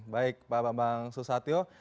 baik pak bambang susatyo